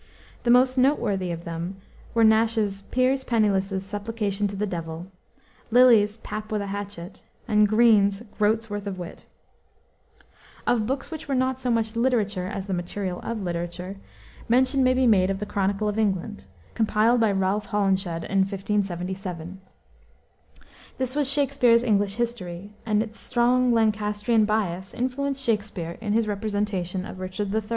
The most noteworthy of them were Nash's Piers Penniless's Supplication to the Devil, Lyly's Pap with a Hatchet, and Greene's Groat's Worth of Wit. Of books which were not so much literature as the material of literature, mention may be made of the Chronicle of England, compiled by Ralph Holinshed in 1577. This was Shakspere's English history, and its strong Lancastrian bias influenced Shakspere in his representation of Richard III.